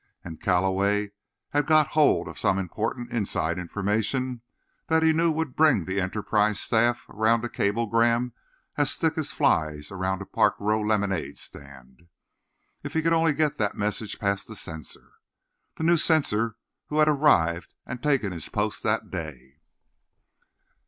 And Calloway had got hold of some important inside information that he knew would bring the Enterprise staff around a cablegram as thick as flies around a Park Row lemonade stand. If he could only get that message past the censor—the new censor who had arrived and taken his post that day!